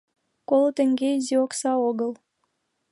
Коло теҥге изи окса огыл.